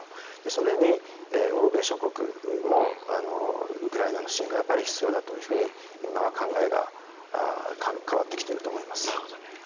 それに、欧米諸国もウクライナの支援がやっぱり必要だと今は考えが変わってきていると思います。